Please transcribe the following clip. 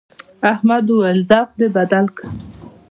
احمد وويل: ذوق دې بدل کړه.